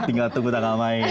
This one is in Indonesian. tinggal tunggu tanggal main